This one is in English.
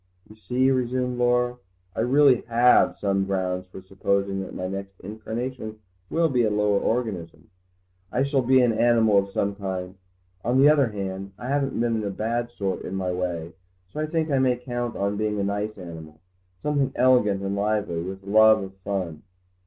"You see," resumed Laura, "I really have some grounds for supposing that my next incarnation will be in a lower organism. I shall be an animal of some kind. On the other hand, I haven't been a bad sort in my way, so I think I may count on being a nice animal, something elegant and lively, with a love of fun.